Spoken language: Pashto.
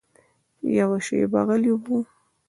يوه شېبه غلی و.